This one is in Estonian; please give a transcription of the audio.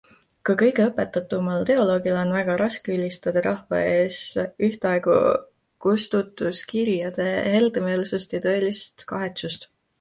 Ka kõige õpetatumal teoloogil on väga raske ülistada rahva ees ühtaegu kustutuskirjade heldemeelsust ja tõelist kahetsust.